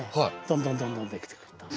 どんどんどんどんできてくると。